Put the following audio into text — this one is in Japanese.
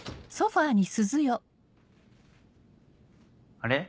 あれ？